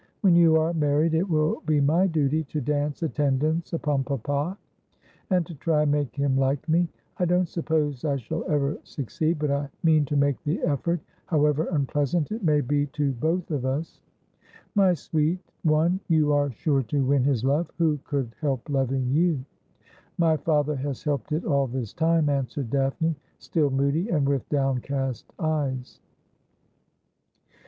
When you are married it will be my duty to dance attendance upon papa, and to try and make him like me. I don't suppose I shall ever suc ceed, but I mean to make the efEort, however unpleasant it may be to both of us.' ' My sweet one, you are sure to win his love. Who could help loving you ?'' My father has helped it all this time,' answered Daphne, still moody and with downcast eyes.